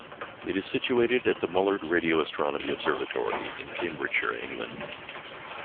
It is situated at the Mullard Radio Astronomy Observatory in Cambridgeshire, England.